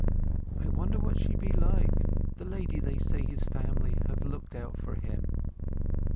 "I wonder what she is like—the lady they say his family have looked out for him!"